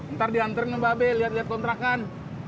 ntar diantarin ke mbak be liat liat kontrakan